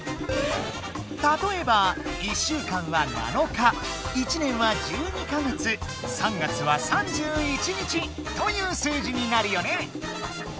たとえば１週間は「７日」１年は「１２か月」３月は「３１日」という数字になるよね。